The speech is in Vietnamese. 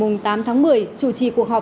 ngày tám tháng một mươi chủ trì cuộc họp